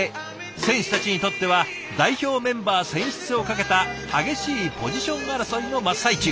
選手たちにとっては代表メンバー選出をかけた激しいポジション争いの真っ最中。